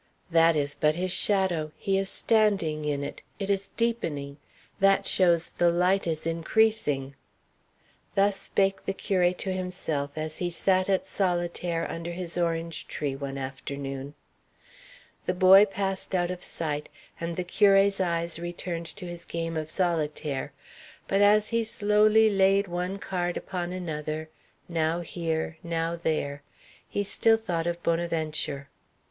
"That is but his shadow; he is standing in it; it is deepening; that shows the light is increasing." Thus spake the curé to himself as he sat at solitaire under his orange tree one afternoon. The boy passed out of sight, and the curé's eyes returned to his game of solitaire; but as he slowly laid one card upon another, now here, now there, he still thought of Bonaventure.